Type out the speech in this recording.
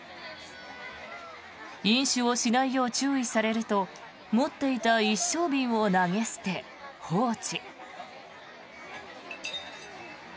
飲酒をしないよう注意されると持っていた一升瓶を投げ捨て放置。